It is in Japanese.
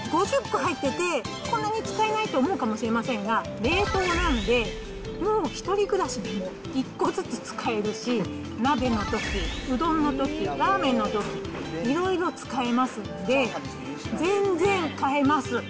５０個入ってて、こんなに使えないと思うかもしれませんが、冷凍なんで、もう、１人暮らしでも１個ずつ使えるし、鍋のとき、うどんのとき、ラーメンのとき、いろいろ使えますので、全然買えます。